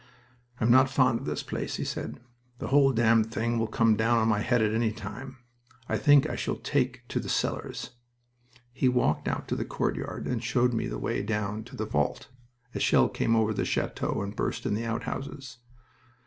"I'm not fond of this place," he said. "The whole damn thing will come down on my head at any time. I think I shall take to the cellars." We walked out to the courtyard and he showed me the way down to the vault. A shell came over the chateau and burst in the outhouses.